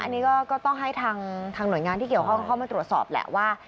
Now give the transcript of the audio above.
อันนี้ก็ต้องให้ทางหน่วยงานที่เกี่ยวข้องเข้ามาตรวจสอบแหละว่า